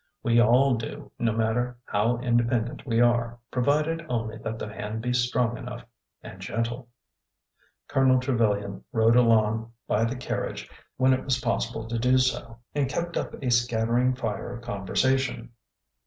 We all do, no matter how independent we are, provided only that the hand be strong enough— and gentle. Colonel Trevilian rode along by 'the carriage when it was possible to do so, and kept up a scattering fire of con versation.